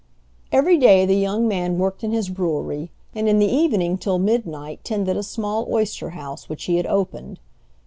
Every day the young man worked in his brewery, and in the evening till midnight tended a small oyster house, which he had opened.